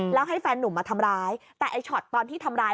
แล้วให้แฟนหนุ่มมาทำร้ายแต่ไอ้ช็อตตอนที่ทำร้าย